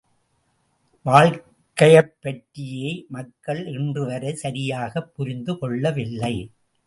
வாழ்க்கையைப் பற்றியே மக்கள் இன்றுவரை சரியாகப் புரிந்து கொள்ளவில்லை.